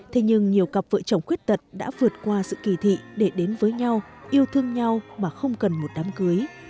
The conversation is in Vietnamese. thế nhưng nhiều cặp vợ chồng khuyết tật đã vượt qua sự kỳ thị để đến với nhau yêu thương nhau mà không cần một đám cưới